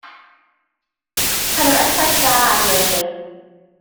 Cafodd effaith dda ar Mary.